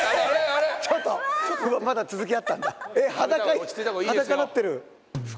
あれちょっとまだ続きあったんだ